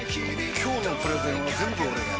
今日のプレゼンは全部俺がやる！